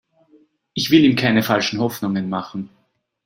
Ich will ihm keine falschen Hoffnungen machen.